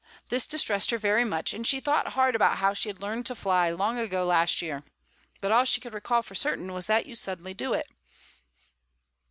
This distressed her very much, and she thought hard about how she had learned to fly long ago last year, but all she could recall for certain was that you suddenly do it.